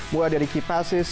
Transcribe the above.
mulai dari kipasis